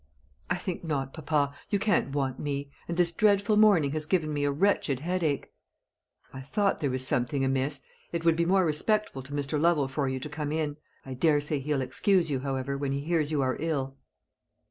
"I think not, papa. You can't want me; and this dreadful morning has given me a wretched headache." "I thought there was something amiss. It would be more respectful to Mr. Lovel for you to come in. I daresay he'll excuse you, however, when he hears you are ill."